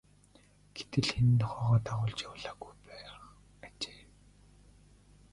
Гэтэл хэн нь ч нохойгоо дагуулж явуулаагүй байх ажээ.